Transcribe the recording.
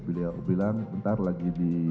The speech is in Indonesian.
beliau bilang bentar lagi di